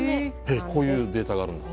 えっこういうデータがあるんだ。